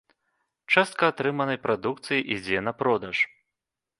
Частка атрыманай прадукцыі ідзе на продаж.